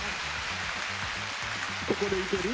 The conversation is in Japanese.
ここでいける？